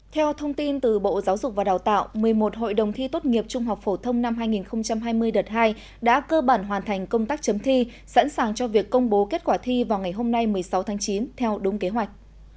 theo thông tin từ bộ giáo dục và đào tạo một mươi một hội đồng thi tốt nghiệp trung học phổ thông năm hai nghìn hai mươi đợt hai đã cơ bản hoàn thành công tác chấm thi sẵn sàng cho việc công bố kết quả thi vào ngày hôm nay một mươi sáu tháng chín theo đúng kế hoạch